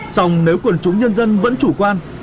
song nếu quần chúng nhân dân vẫn chủ quan